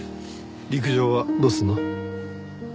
陸上はどうするの？